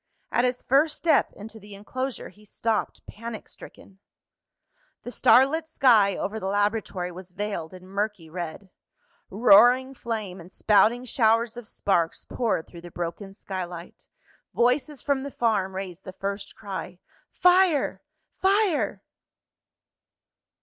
At his first step into the enclosure he stopped panic stricken. The starlit sky over the laboratory was veiled in murky red. Roaring flame, and spouting showers of sparks, poured through the broken skylight. Voices from the farm raised the first cry "Fire! fire!"